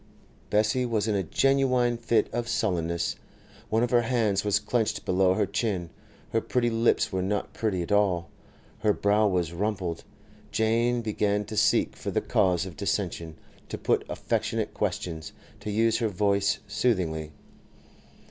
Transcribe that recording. Bessie was in a genuine fit of sullenness. One of her hands was clenched below her chin; her pretty lips were not pretty at all; her brow was rumpled. Jane began to seek for the cause of dissension, to put affectionate questions, to use her voice soothingly.